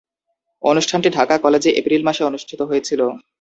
অনুষ্ঠানটি ঢাকা কলেজে এপ্রিল মাসে অনুষ্ঠিত হয়েছিলো।